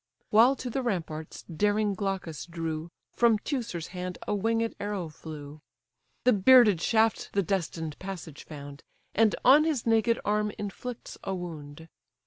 While to the ramparts daring Glaucus drew, From Teucer's hand a winged arrow flew; The bearded shaft the destined passage found, And on his naked arm inflicts a wound.